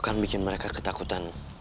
aku akan bikin mereka ketakutan